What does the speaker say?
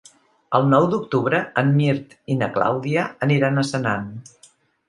El nou d'octubre en Mirt i na Clàudia aniran a Senan.